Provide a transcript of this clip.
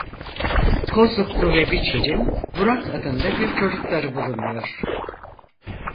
Kozluklu ve Biçer'in Burak adında bir çocukları bulunuyor.